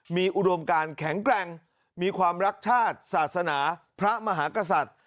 มีอุดมการแข็งแกร่งมีความรักชาติศาสนาพระมหากษัตริย์